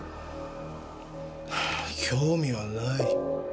はぁ興味はない。